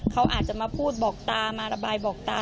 เขาอาจจะมาพูดบอกตามาระบายบอกตา